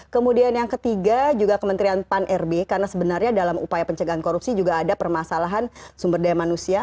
kemudian yang ketiga juga kementerian pan rb karena sebenarnya dalam upaya pencegahan korupsi juga ada permasalahan sumber daya manusia